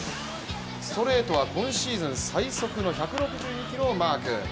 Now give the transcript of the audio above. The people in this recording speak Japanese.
ストレートは今シーズン最速の１６２キロをマーク。